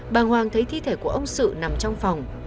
bà hoàng thấy thi thể của ông sự nằm trong phòng